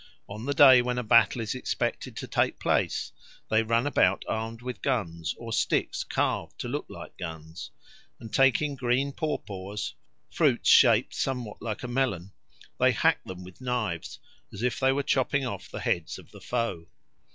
On the day when a battle is expected to take place, they run about armed with guns, or sticks carved to look like guns, and taking green paw paws (fruits shaped somewhat like a melon), they hack them with knives, as if they were chopping off the heads of the foe.